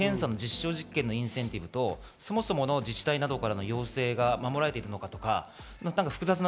検査の実証実験のインセンティブと、そもそもの自治体からの要請が守られているのかどうか。